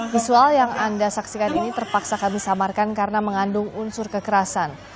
visual yang anda saksikan ini terpaksa kami samarkan karena mengandung unsur kekerasan